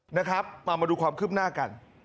นะครับมามาดูความคืบหน้ากัน